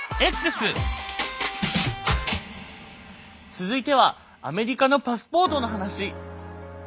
続いてはアメリカのパスポートの話。